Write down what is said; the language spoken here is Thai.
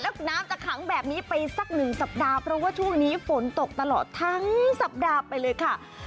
แล้วน้ำจะขังแบบนี้ไปสักหนึ่งสัปดาห์เพราะว่าช่วงนี้ฝนตกตลอดทั้งสัปดาห์ไปเลยค่ะ